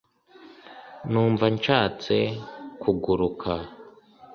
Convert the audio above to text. numva nshatse kuguruka